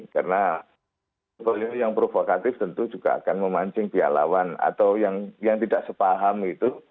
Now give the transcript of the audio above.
karena balihu yang provokatif tentu juga akan memancing pihak lawan atau yang tidak sepaham itu